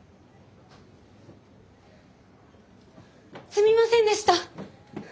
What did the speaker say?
すみませんでした！